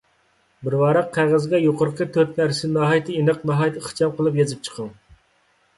بىر ۋاراق قەغەزگە يۇقىرىقى تۆت نەرسىنى ناھايىتى ئېنىق، ناھايىتى ئىخچام قىلىپ يېزىپ چىقىڭ.